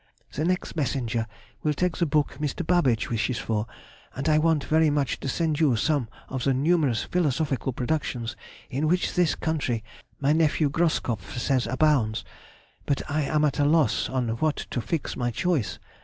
The next messenger will take the book Mr. Babbage wishes for, and I want very much to send you some of the numerous philosophical productions in which this country my nephew Groskopf says abounds, but I am at a loss on what to fix my choice.